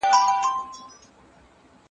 کمپيوټر جنګ سمولاى سي.